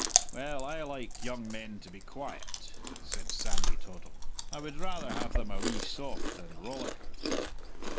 "Well, I like young men to be quiet," said Sandy Toddle. "I would rather have them a wee soft than rollickers."